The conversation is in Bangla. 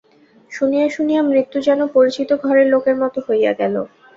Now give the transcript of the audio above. শুনিয়া শুনিয়া মৃত্যু যেন পরিচিত ঘরের লোকের মতো হইয়া গেল।